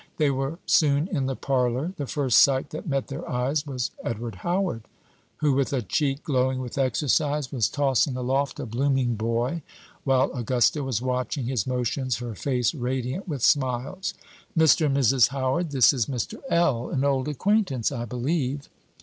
They were soon in the parlor. The first sight that met their eyes was Edward Howard, who, with a cheek glowing with exercise, was tossing aloft a blooming boy, while Augusta was watching his motions, her face radiant with smiles. "Mr. and Mrs. Howard, this is Mr. L., an old acquaintance, I believe."